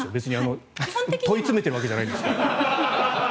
問い詰めてるわけじゃないんですけど。